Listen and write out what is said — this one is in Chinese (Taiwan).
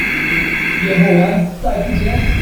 驗貨完再付錢